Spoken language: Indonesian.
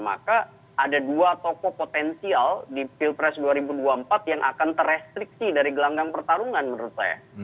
maka ada dua tokoh potensial di pilpres dua ribu dua puluh empat yang akan terestriksi dari gelanggang pertarungan menurut saya